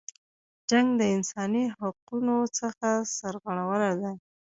جنګ د انسانی حقونو څخه سرغړونه ده.